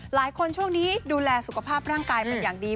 หลายคนช่วงนี้ดูแลสุขภาพร่างกายต้นอย่างดี